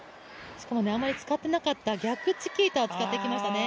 あまり使っていなかった逆チキータを使っていきましたね。